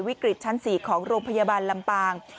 วิกฤตชั้น๔ของโรงพยาบาลลำปาง